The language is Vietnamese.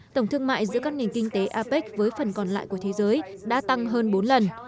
tổng thương mại giữa các nền kinh tế apec với phần còn lại của thế giới đã tăng hơn bốn lần